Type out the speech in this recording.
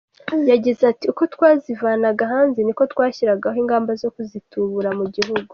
Yagize ati “Uko twazivanaga hanze ni nako twashyiragaho ingamba zo kuzitubura mu gihugu.